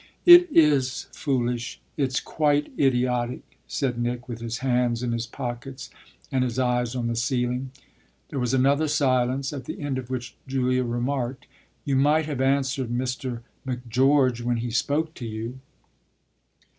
"It is foolish it's quite idiotic," said Nick with his hands in his pockets and his eyes on the ceiling. There was another silence, at the end of which Julia remarked: "You might have answered Mr. Macgeorge when he spoke to you."